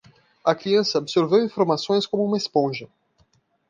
A criança absorveu informações como uma esponja.